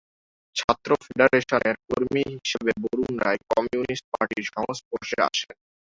ছাত্র ফেডারেশনের কর্মী হিসাবে বরুণ রায় কমিউনিস্ট পার্টির সংস্পর্শে আসেন।